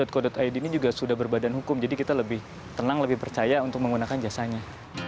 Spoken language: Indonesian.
ya setahu saya ngantri co id ini sudah berbadan hukum jadi kita lebih tenang lebih percaya untuk menggunakan jasanya